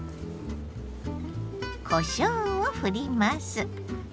こしょうをふります。